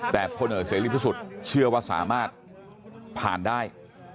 แต่พ่อเหนื่อยเศรษฐฤทธิสุทธิ์เชื่อว่าสามารถผ่านได้